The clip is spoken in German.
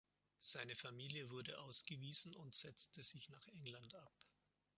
Seine Familie wurde ausgewiesen und setzte sich nach England ab.